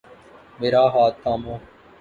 میرا ہاتھ تھامو